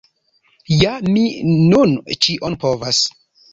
Ja mi nun ĉion povas.